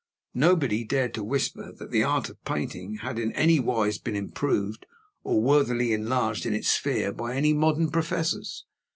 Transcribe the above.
Nobody dared to whisper that the Art of painting had in anywise been improved or worthily enlarged in its sphere by any modern professors.